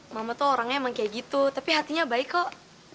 mama tuh orangnya emang kayak gitu tapi hatinya baik kok